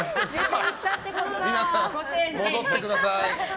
皆さん、戻ってください。